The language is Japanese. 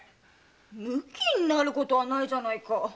むきになることはないじゃないか。